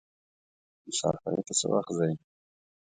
مسافری ته څه وخت ځئ.